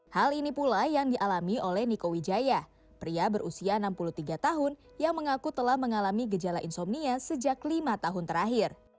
hal ini pula yang dialami oleh niko wijaya pria berusia enam puluh tiga tahun yang mengaku telah mengalami gejala insomnia sejak lima tahun terakhir